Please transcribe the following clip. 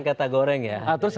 orang orang di sekitarnya